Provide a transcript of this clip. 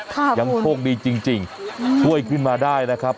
ค่ะคุณยังโชคดีจริงช่วยขึ้นมาได้นะครับ